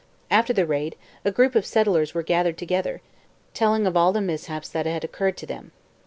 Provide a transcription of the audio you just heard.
After the raid, a group of settlers were gathered together, telling of all the mishaps that had occurred to them.